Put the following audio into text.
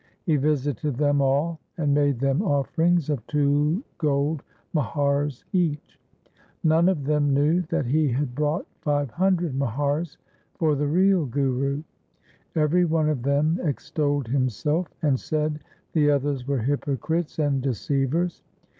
He visited them all, and made them offerings of two gold muhars each. None of them knew that he had brought five hundred muhars for the real Guru. Every one of them extolled him self, and said the others were hypocrites and de ceivers.